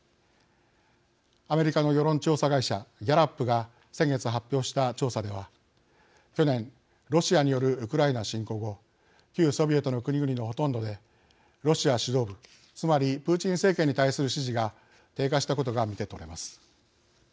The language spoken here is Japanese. アメリカの世論調査会社ギャラップが先月発表した調査では去年ロシアによるウクライナ侵攻後旧ソビエトの国々のほとんどでロシア指導部つまりプーチン政権に対する支持が低下したことが見て取れます。